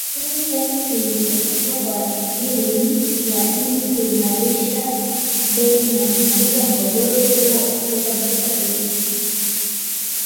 Milioni tatu zilizotengwa kwa ajili ya ili kuimarisha bei na kumaliza mgogoro huo Afrika Mashariki